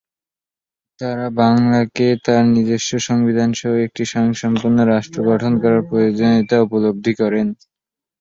তারা বাংলাকে তার নিজস্ব সংবিধানসহ একটি স্বয়ংসম্পূর্ণ রাষ্ট্র গঠন করার প্রয়োজনীয়তা উপলব্ধি করেন।